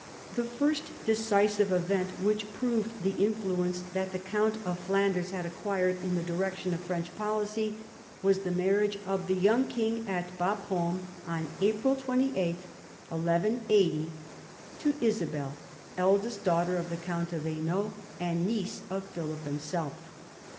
The first decisive event which proved the influence 24 PHILIP AUGUSTUS chap. that the count of Flanders had acquired in the direction of French policy was the marriage of the young king at Bapaume on April 28, 1180, to Isabel, eldest daughter of the count of Hainault, and niece of Philip himself.